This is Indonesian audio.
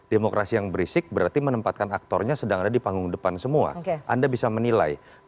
demokrasi yang berisik berarti menempatkan aktornya sedang ada di panggung depan semua anda bisa menilai